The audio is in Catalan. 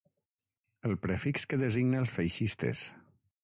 El prefix que designa els feixistes.